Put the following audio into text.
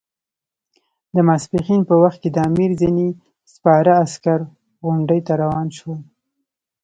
د ماپښین په وخت کې د امیر ځینې سپاره عسکر غونډۍ ته روان شول.